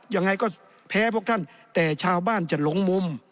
ยังไงก็แพ้พวกท่านแต่ชาวบ้านจะหลงมุม